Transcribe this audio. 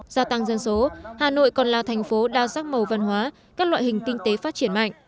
gia tăng dân số hà nội còn là thành phố đa sắc màu văn hóa các loại hình kinh tế phát triển mạnh